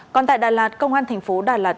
còn tại đà lạt công an thành phố đà lạt